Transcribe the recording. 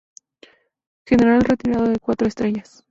General retirado de cuatro estrellas.